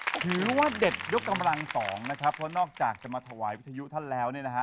ถือว่าเด็ดยกกำลังสองนะคะเพราะนอกจากจะมาถวายวิทยุท่านแล้ว